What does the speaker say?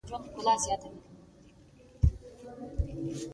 استاده په یو اتوم کې څو الکترونونه موجود وي